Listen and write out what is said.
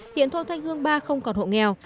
hiện thôn thanh hương ba không còn hộ nghèo